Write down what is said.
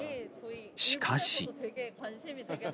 しかし。